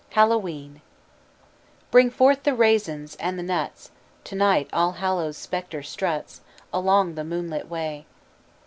HALLOWE'EN Bring forth the raisins and the nuts To night All Hallows' Spectre struts Along the moonlit way.